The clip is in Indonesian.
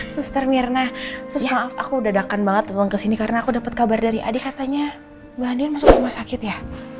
suster mirna maaf aku udah dakan banget datang kesini karena aku dapat kabar dari adi katanya mbak andien masuk rumah sakit ya